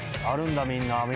あるんだみんな。